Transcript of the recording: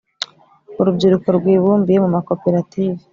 urubyiruko rwibumbiye mu ma koperative